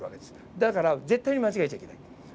だから絶対に間違えちゃいけない。